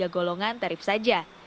tiga golongan tarif saja